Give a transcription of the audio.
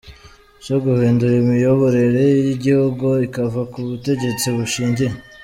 cyo guhindura imiyoborerere y’igihugu ikava k’ubutegetsi bushingiye